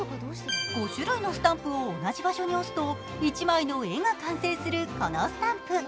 ５種類のスタンプを同じ場所に押すと一枚の絵が完成するこのスタンプ。